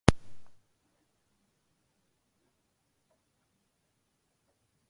Nasvet, ki je najbolj potreben, je najmanj upoštevan.